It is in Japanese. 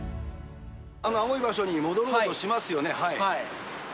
あの青い場所に戻ろうとしますよね。